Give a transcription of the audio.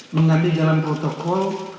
mengganti jalan protokol